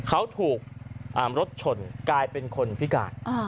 เขาถูกรถชนกลายเป็นคนพิการ